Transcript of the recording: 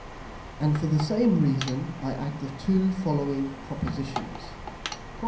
And for the same reason I add the two following Propositions. PROP.